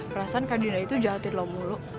perasaan kak dinda itu jahatin lo mulu